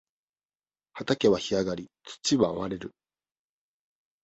畑は干上がり、土は割れる。